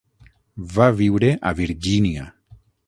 Va viure a Virgínia.